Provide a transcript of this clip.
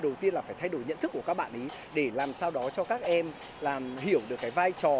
đầu tiên là phải thay đổi nhận thức của các bạn ý để làm sao đó cho các em hiểu được cái vai trò